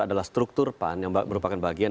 adalah struktur pan yang merupakan bagian